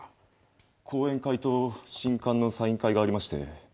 後援会と新刊のサイン会がありまして。